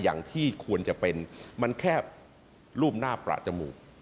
อย่างที่ควรจะเป็นมันแค่รูปหน้าประจมูก